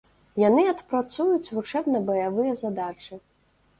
Яны адпрацуюць вучэбна-баявыя задачы.